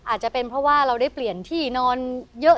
อาจจะเป็นเพราะว่าเราได้เปลี่ยนที่นอนเยอะ